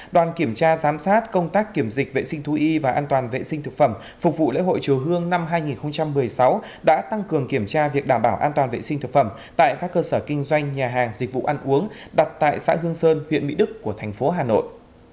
đoàn kiểm tra giám sát công tác kiểm dịch vệ sinh thú y và an toàn vệ sinh thực phẩm phục vụ lễ hội chùa hương năm hai nghìn một mươi sáu đã tăng cường kiểm tra việc đảm bảo an toàn vệ sinh thực phẩm tại các cơ sở kinh doanh nhà hàng dịch vụ ăn uống đặt tại xã hương sơn huyện mỹ đức của thành phố hà nội